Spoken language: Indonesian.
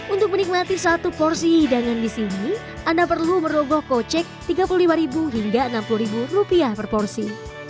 untuk menikmati satu porsi hidangan di sini anda perlu merogoh kocek rp tiga puluh lima hingga rp enam puluh per porsi